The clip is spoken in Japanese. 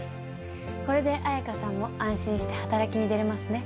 これで綾香さんも安心して働きに出られますね。